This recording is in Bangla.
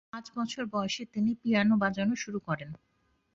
পাঁচ বছর বয়সে তিনি পিয়ানো বাজানো শুরু করেন।